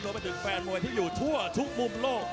ไปถึงแฟนมวยที่อยู่ทั่วทุกมุมโลก